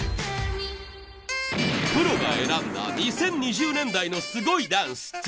プロが選んだ２０２０年代のすごいダンス。